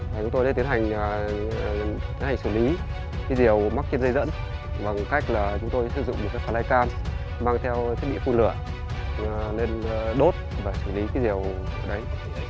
chúng tôi đã tiến hành xử lý cái rìu mắc trên dây dẫn bằng cách chúng tôi sử dụng một cái flycam mang theo thiết bị phun lửa lên đốt và xử lý cái rìu đấy